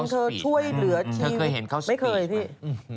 เธอช่วยเหลือชีวิต